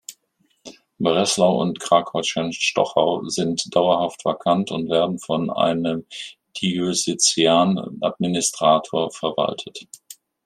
Breslau und Krakau-Tschenstochau sind dauerhaft vakant und werden von einem Diözesanadministrator verwaltet.